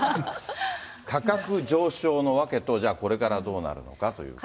価格上昇の訳と、じゃあこれからどうなるかということで。